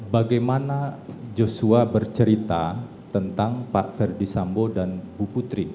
bagaimana joshua bercerita tentang pak ferdi sambo dan bu putri